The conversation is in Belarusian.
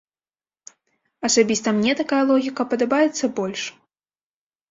Асабіста мне такая логіка падабаецца больш.